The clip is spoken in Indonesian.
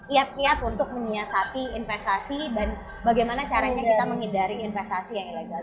kiat kiat untuk menyiasati investasi dan bagaimana caranya kita menghindari investasi yang ilegal